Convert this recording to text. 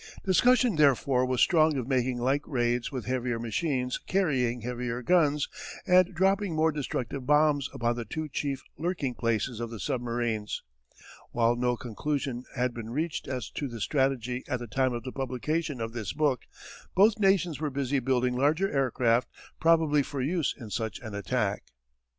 Discussion therefore was strong of making like raids with heavier machines carrying heavier guns and dropping more destructive bombs upon the two chief lurking places of the submarines. While no conclusion had been reached as to this strategy at the time of the publication of this book, both nations were busy building larger aircraft probably for use in such an attack.